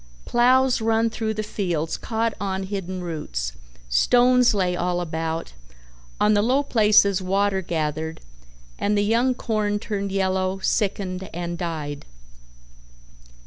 Plows run through the fields caught on hidden roots, stones lay all about, on the low places water gathered, and the young corn turned yellow, sickened and died.